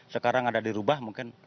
sekarang ada dirubah mungkin